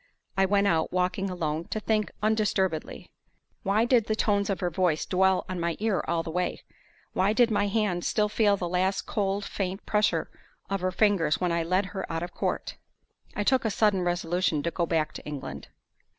I went out, walking alone, to think undisturbedly. Why did the tones of her voice dwell on my ear all the way? Why did my hand still feel the last cold, faint pressure of her fingers when I led her out of court? I took a sudden resolution to go back to England.